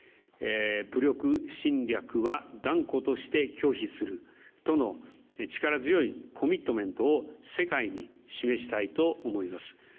武力侵略は断固として拒否するとの力強いコミットメントを世界に示したいと思います。